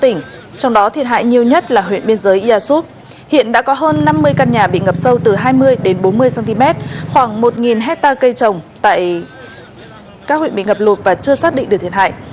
trong đó thiệt hại nhiều nhất là huyện biên giới ia súp hiện đã có hơn năm mươi căn nhà bị ngập sâu từ hai mươi đến bốn mươi cm khoảng một hectare cây trồng tại các huyện bị ngập lụt và chưa xác định được thiệt hại